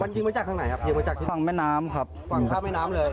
ฝั่งฝั่งแม่น้ำเลย